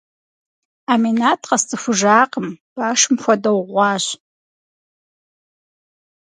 Аминат къэсцӏыхужакъым, башым хуэдэу гъуащ.